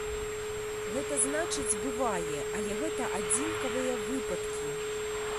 Гэта значыць, бывае, але гэта адзінкавыя выпадкі.